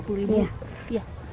buat dibeli apaan